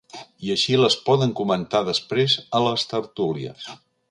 I així les poden comentar després a les tertúlies.